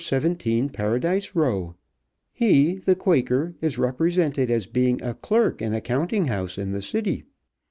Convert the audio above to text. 17, Paradise Row. He, the Quaker, is represented as being a clerk in a counting house in the City.